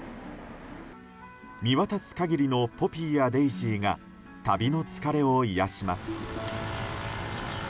見渡す限りのポピーやデイジーが旅の疲れを癒やします。